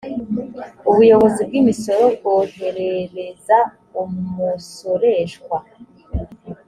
ubuyobozi bw imisoro bwoherereza umusoreshwa